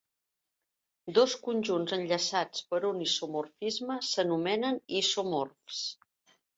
Dos conjunts enllaçats per un isomorfisme s'anomenen isomorfs.